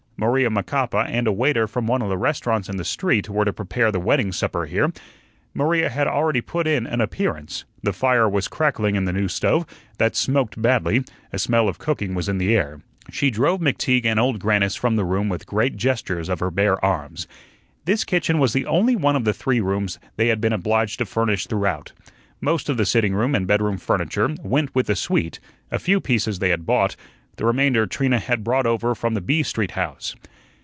Maria Macapa and a waiter from one of the restaurants in the street were to prepare the wedding supper here. Maria had already put in an appearance. The fire was crackling in the new stove, that smoked badly; a smell of cooking was in the air. She drove McTeague and Old Grannis from the room with great gestures of her bare arms. This kitchen was the only one of the three rooms they had been obliged to furnish throughout. Most of the sitting room and bedroom furniture went with the suite; a few pieces they had bought; the remainder Trina had brought over from the B Street house.